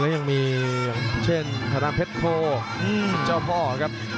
และยังมีอย่างเช่นทางพรรณเพชรโภสินเจ้าพ่อครับ